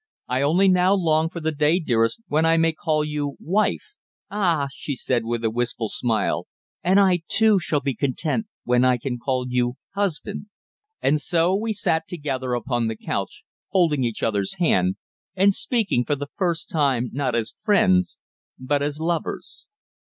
I only now long for the day, dearest, when I may call you wife." "Ah!" she said, with a wistful smile, "and I, too, shall be content when I can call you husband." And so we sat together upon the couch, holding each other's hand, and speaking for the first time not as friends but as lovers.